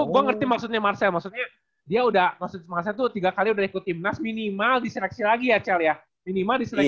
gue ngerti maksudnya marcel maksudnya dia udah maksudnya marcel itu tiga kali udah ikut tim nas minimal diseleksi lagi ya cel ya minimal diseleksi lagi